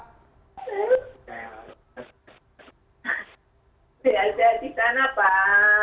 sehat sehat di sana pak